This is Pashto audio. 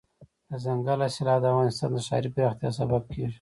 دځنګل حاصلات د افغانستان د ښاري پراختیا سبب کېږي.